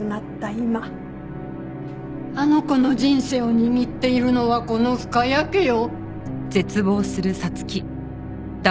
今あの子の人生を握っているのはこの深谷家よ。